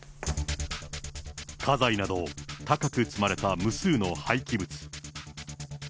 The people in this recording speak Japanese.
家財など高く積まれた無数の廃棄物。